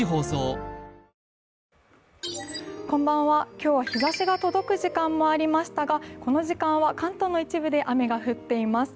今日は日ざしが届く時間もありましたが、この時間は関東の一部で雨が降っています。